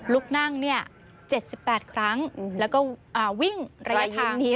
ลูกนั่งเนี่ยเจ็ดสิบแปดครั้งแล้วก็อ่าวิ่งระยะทางรอยยิ้มนี้